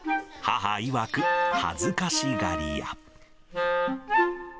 母いわく、恥ずかしがり屋。